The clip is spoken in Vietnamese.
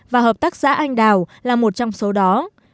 và hợp tác xã anh đào là một trong số đó